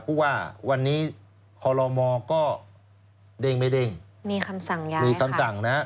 พูดว่าวันนี้คอลโลมอก็เด้งไม่เด้งมีคำสั่งยังมีคำสั่งนะฮะ